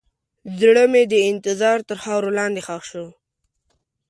زړه مې د انتظار تر خاورو لاندې ښخ شو.